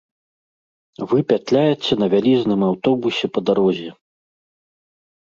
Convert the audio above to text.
Вы пятляеце на вялізным аўтобусе па дарозе.